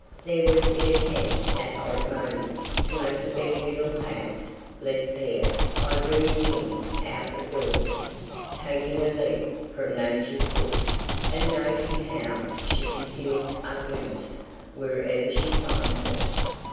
There was the attempt at odd moments to make the bare little house less bare by bringing in out of doors, taking a leaf from Nature's book and noting how she conceals ugliness wherever she finds it.